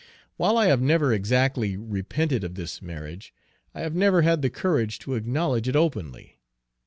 While I have never exactly repented of this marriage, I have never had the courage to acknowledge it openly.